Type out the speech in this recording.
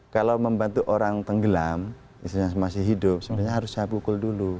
kalau membantu orang tenggelam masih hidup sebenarnya harus saya pukul dulu